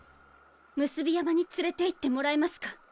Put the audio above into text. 産霊山に連れて行ってもらえますか？